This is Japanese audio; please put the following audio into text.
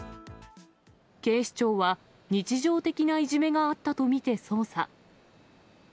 警視庁は、日常的ないじめがあったと見て捜査。